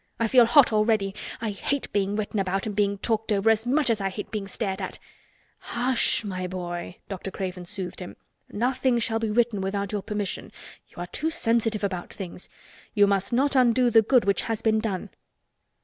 I feel hot already. I hate being written about and being talked over as much as I hate being stared at!" "Hush h! my boy," Dr. Craven soothed him. "Nothing shall be written without your permission. You are too sensitive about things. You must not undo the good which has been done."